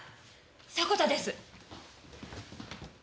迫田です。